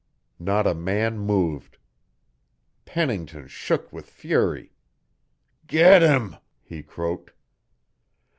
Not a man moved. Pennington shook with fury. "Get him," he croaked.